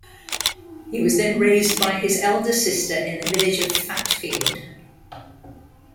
He was then raised by his elder sister in the village of Fatfield.